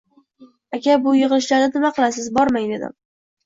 Aka, bu yig'ilishlarda nima qilasiz? Bormang, dedim